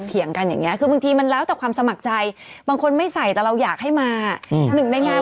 แต่คือในการไปของอาหารอร่อยยังไง